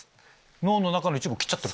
脳の中の一部を切っちゃってる。